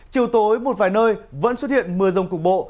chiều tối một vài nơi vẫn xuất hiện mưa rông cục bộ